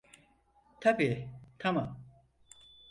Tabii, tamam.